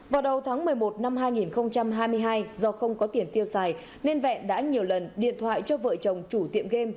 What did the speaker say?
vào đầu tháng một mươi một năm hai nghìn hai mươi hai do không có tiền tiêu xài nên vẹn đã nhiều lần điện thoại cho vợ chồng chủ tiệm game